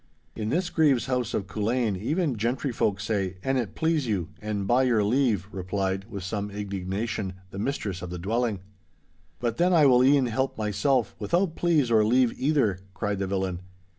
'In this Grieve's house of Culzean even gentry folk say "An it please you," and "By your leave!"' replied, with some indignation, the mistress of the dwelling. 'But then I will e'en help myself, without please or leave either,' cried the villain.